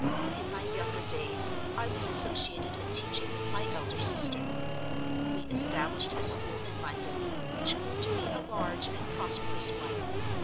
In my younger days, I was associated in teaching with my elder sister: we established a school in London, which grew to be a large and prosperous one.